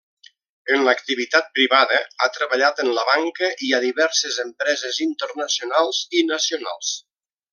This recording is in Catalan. En l'activitat privada ha treballat en la banca i a diverses empreses internacionals i nacionals.